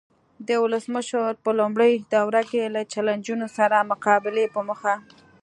د ولسمشرۍ په لومړۍ دوره کې له چلنجونو سره مقابلې په موخه.